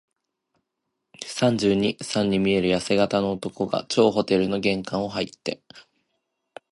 三十二、三に見えるやせ型の男が、張ホテルの玄関をはいって、